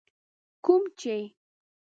کوم چي